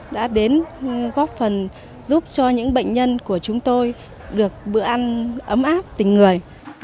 đã đến góp phần giúp cho những bệnh nhân của chúng tôi được bữa ăn ấm áp tình người